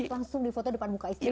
langsung di foto depan muka istri